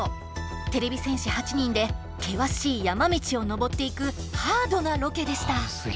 てれび戦士８人で険しい山道を登っていくハードなロケでした。